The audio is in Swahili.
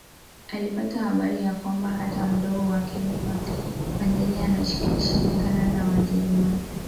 Alipata habari ya kwamba hata mdogo wake Mpangile anashirikiana na Wajerumani